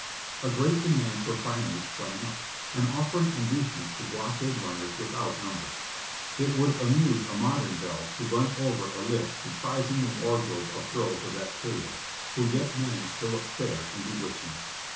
A great demand for finery sprang up, and offered inducements to blockade run ners without number. It would amuse a modern belle to run over a list comprising the wardrol)e of girls of that period, who yet managed to look fair and bewitching.